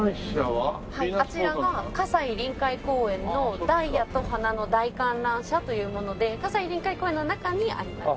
はいあちらは西臨海公園のダイヤと花の大観覧車というもので西臨海公園の中にあります。